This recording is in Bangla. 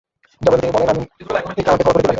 জবাবে তিনি বলেন, আমি ইকরামাকে ক্ষমা করে দিলাম।